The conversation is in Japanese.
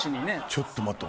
ちょっと待って。